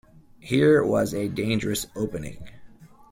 Here was a dangerous opening.